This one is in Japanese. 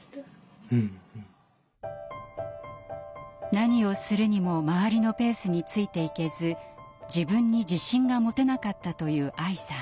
何をするにも周りのペースについていけず自分に自信が持てなかったという愛さん。